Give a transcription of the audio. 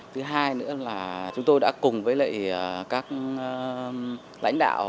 thứ hai nữa là chúng tôi đã cùng với các lãnh đạo